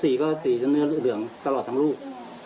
สีเขาสีก็สีทั้งเนื้อเหลือเหลืองตลอดทั้งลูก